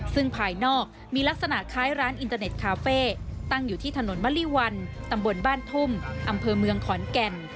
ซึ่งภายนอกมีลักษณะคล้ายร้านอินเตอร์เน็ตคาเฟ่ตั้งอยู่ที่ถนนมะลิวันตำบลบ้านทุ่มอำเภอเมืองขอนแก่น